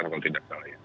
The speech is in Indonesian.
kalau tidak salah ya